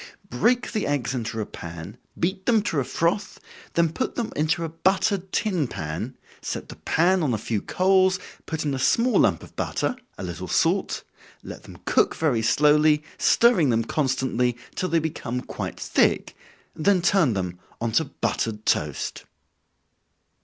_ Break the eggs into a pan, beat them to a froth, then put them into a buttered tin pan, set the pan on a few coals, put in a small lump of butter, a little salt, let them cook very slowly, stirring them constantly till they become quite thick, then turn them on to buttered toast.